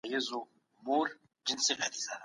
که ټولنه بدله سي نوي ارزښتونه به رامنځته سي.